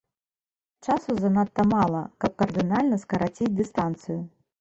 Часу занадта мала, каб кардынальна скараціць дыстанцыю.